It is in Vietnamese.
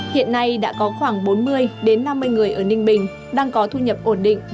hiện nay đã có khoảng bốn mươi năm mươi người ở ninh bình đang có thu nhập ổn định